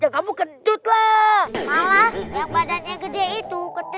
kamu kamu yang ketut